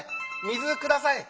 水ください！